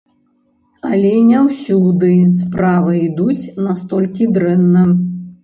Але не ўсюды справы ідуць настолькі дрэнна.